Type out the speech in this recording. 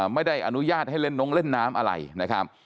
ไม่ได้อนุญาตให้เล่นน้องเล่นน้ำอะไรนะครับ